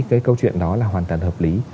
cái câu chuyện đó là hoàn toàn hợp lý